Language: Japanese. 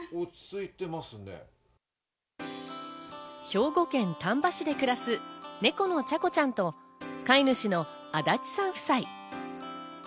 兵庫県丹波市で暮らす猫のチャコちゃんと飼い主の足立さん夫妻。